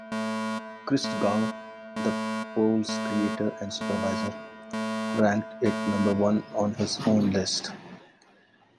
Christgau, the poll's creator and supervisor, ranked it number one on his own list.